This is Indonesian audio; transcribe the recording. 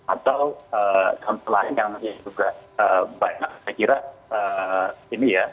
atau selain yang juga banyak saya kira ini ya